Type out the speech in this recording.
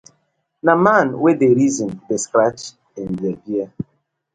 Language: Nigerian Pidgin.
Na man wey dey reason dey scratch im bear-bear.